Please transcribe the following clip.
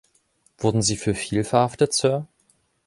Wurden Sie für viel verhaftet, Sir?